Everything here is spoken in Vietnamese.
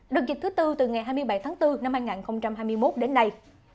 đợt dịch thứ tư từ ngày hai mươi bảy tháng bốn năm hai nghìn hai mươi một đến nay